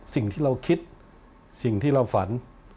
สิ่งที่เราคิดสิ่งที่เราฝัน